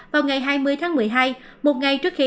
vào ngày hai mươi tháng một mươi hai một ngày trước khi